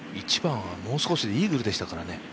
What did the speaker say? １番はもう少しでイーグルでしたからね。